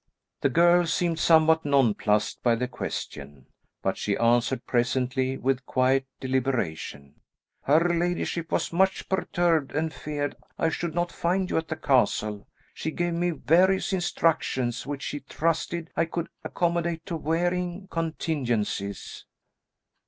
The girl seemed somewhat nonplussed by the question, but she answered presently with quiet deliberation, "Her ladyship was much perturbed and feared I should not find you at the castle. She gave me various instructions, which she trusted I could accommodate to varying contingencies."